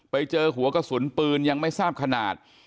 ไปเจอหัวกระสุนปืนยังไม่ทราบขนาด